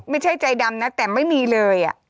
ไม่ใช่ใจดำนะแต่ไม่มีเลย